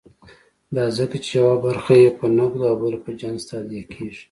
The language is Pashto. دا ځکه چې یوه برخه یې په نغدو او بله په جنس تادیه کېږي.